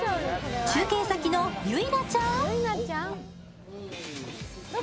中継先のゆいなちゃん！